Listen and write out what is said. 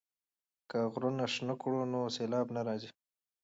که غرونه شنه کړو نو سیلاب نه راځي.